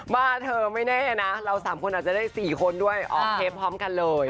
ว่าเธอไม่แน่นะเรา๓คนอาจจะได้๔คนด้วยออกเทปพร้อมกันเลย